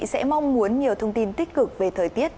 sẽ mong muốn nhiều thông tin tích cực về thời tiết